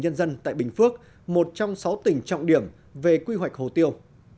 nhân dân tại bình phước một trong sáu tỉnh trọng điểm về quy hoạch hồ tiêu